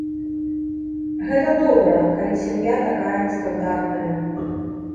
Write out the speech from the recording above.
Гэта добра, калі сям'я такая нестандартная.